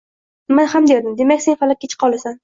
— Nima ham derdim, demak, sen Falakka chiqa olasan